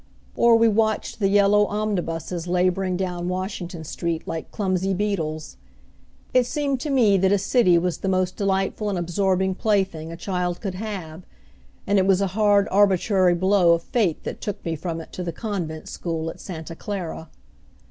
Or we watched the yellow omnibuses laboring down Washington Street like clumsy beetles. It seemed to me that a city was the most delightful and absorbing plaything a child could have, and it was a hard arbitrary blow of fate that took me from it to the convent school at Santa Clara.